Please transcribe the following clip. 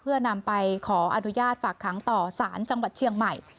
เพื่อนำไปขออนุญาตฝากขังต่อสารจังหวัดเชียงใหม่